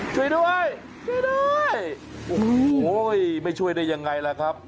ช่วยด้วยช่วยด้วยโอ้โหไม่ช่วยได้ยังไงล่ะครับ